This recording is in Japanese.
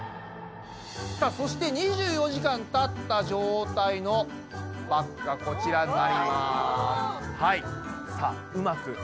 さあそして２４時間たった状態のバッグがこちらになります。